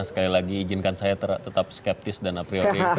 sekali lagi izinkan saya tetap skeptis dan apriori